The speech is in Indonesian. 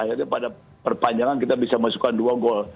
akhirnya pada perpanjangan kita bisa masukkan dua gol